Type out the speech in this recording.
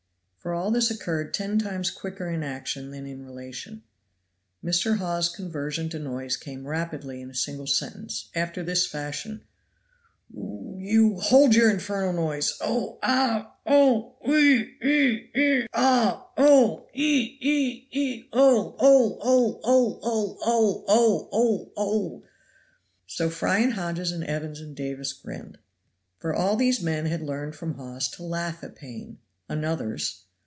For all this occurred ten times quicker in action than in relation. Mr. Hawes's conversion to noise came rapidly in a single sentence, after this fashion: " you! hold your infernal noise. Oh! Augh! Ah! E E! E E! Aah! Oh! Oh!; E E!E E! O O!O O! O O! O O! O O!O O!" So Fry and Hodges and Evans and Davis grinned. For all these men had learned from Hawes to laugh at pain (another's).